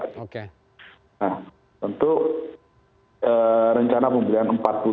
nah untuk rencana pembelian empat puluh dua